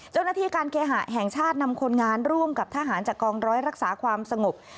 เจ้าหน้าที่การเคหะแห่งชาตินำคนงานร่วมกับทหารจากกองร้อยรักษาความสงบ